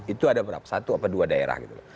itu ada satu atau dua daerah gitu